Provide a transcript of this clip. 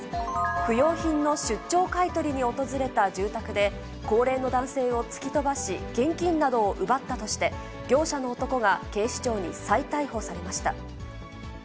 不用品の出張買い取りに訪れた住宅で、高齢の男性を突き飛ばし、現金などを奪ったとして、業者の男が警視庁に再逮捕されました。